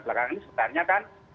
belakangan ini sebenarnya kan